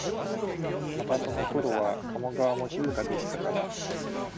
またそのころは加茂川も静かでしたから、